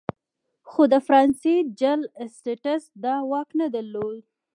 خو د فرانسې جل اسټټس دا واک نه درلود.